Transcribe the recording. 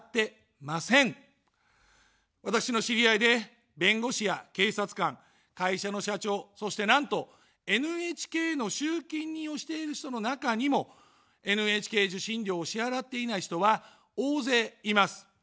私の知り合いで弁護士や警察官、会社の社長、そして、なんとＮＨＫの集金人をしている人の中にもＮＨＫ受信料を支払っていない人は大勢います。